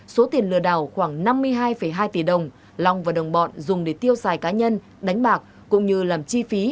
số tiền lừa đảo khoảng năm mươi hai hai tỷ đồng long và đồng bọn dùng để tiêu xài cá nhân đánh bạc cũng như làm chi phí